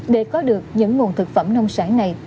để có được những nguồn thực phẩm nông sản này